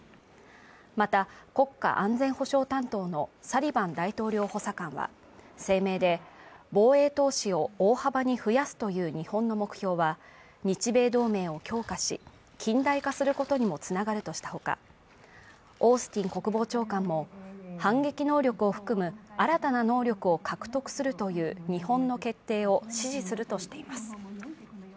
また国家安全保障担当のサリバン大統領補佐官は、声明で、防衛投資を大幅に増やすという日本の目標は、日米同盟を強化し近代化することにもつながるとしたほかオースティン国防長官も反撃能力を含む新たな能力を獲得するという日本の決定を支持するとしています。